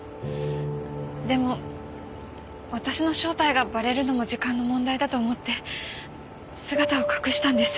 でも私の正体がバレるのも時間の問題だと思って姿を隠したんです。